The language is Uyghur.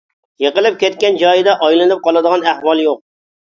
يىقىلىپ كەتكەن جايىدا ئايلىنىپ قالىدىغان ئەھۋال يوق.